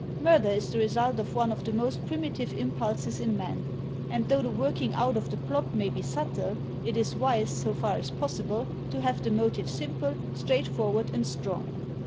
Aiurder is the result of one of the most primitive impulses in man; and though the working out of the plot may be subtle, it is wise, so far as is possible, to have the motive simple, straightforward and strong.